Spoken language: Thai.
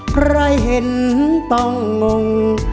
ใครเห็นต้องงง